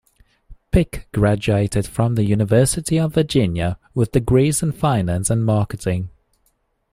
Pic graduated from the University of Virginia with degrees in Finance and Marketing.